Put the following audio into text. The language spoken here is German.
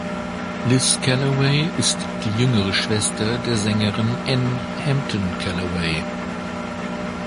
Liz Callaway ist die jüngere Schwester der Sängerin Ann Hampton Callaway.